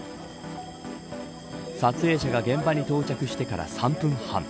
撮影者が現場に到着してから３分半。